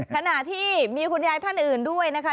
ขณะที่มีคุณยายท่านอื่นด้วยนะคะ